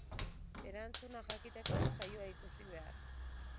Erantzuna jakiteko, saioa ikusi behar.